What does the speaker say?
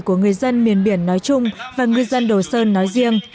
của người dân miền biển nói chung và ngư dân đồ sơn nói riêng